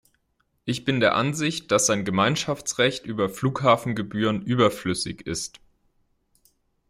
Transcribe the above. Ich bin der Ansicht, dass ein Gemeinschaftsrecht über Flughafengebühren überflüssig ist.